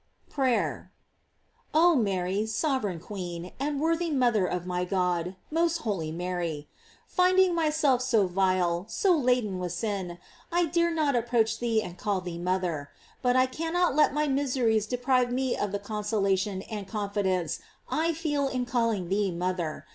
PRAYER. Oh Mary, sovereign queen, and worthy mother of my God, most holy Mary! Finding myself so vile, so laden with sin, I dare not approach thee and call thee mother. But I cannot let my miseries deprive me of the consolation and con fidence I feel in calling thee mother.